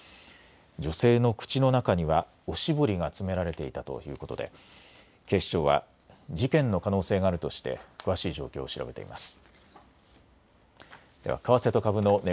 女性の口の中には、おしぼりが詰められていたということで、警視庁は事件の可能性があるとして詳しい状況を調べています。